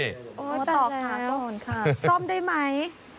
โอ้จัดแล้วซ่อมได้ไหม